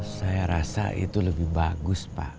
saya rasa itu lebih bagus pak